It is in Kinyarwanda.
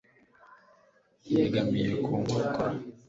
Yegamiye ku nkokora